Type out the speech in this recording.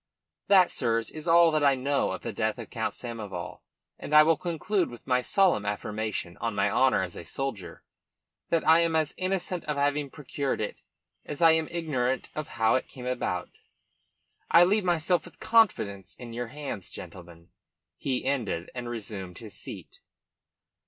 "That, sirs, is all that I know of the death of Count Samoval, and I will conclude with my solemn affirmation, on my honour as a soldier, that I am as innocent of having procured it as I am ignorant of how it came about. "I leave myself with confidence in your hands, gentlemen," he ended, and resumed his seat.